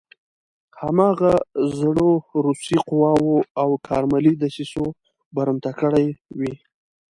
هماغو زړو روسي قواوو او کارملي دسیسو برمته کړی وي.